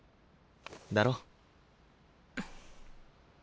だろ？